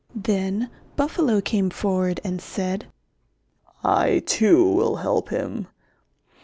Then Buffalo came forward and said, "I too will help him.